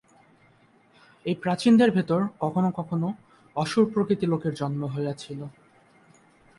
এই প্রাচীনদের ভিতর কখনও কখনও অসুরপ্রকৃতি লোকের জন্ম হইয়াছিল।